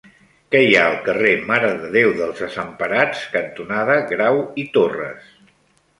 Què hi ha al carrer Mare de Déu dels Desemparats cantonada Grau i Torras?